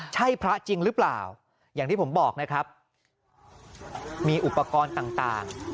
ใช่พระจริงหรือเปล่าอย่างที่ผมบอกนะครับมีอุปกรณ์ต่าง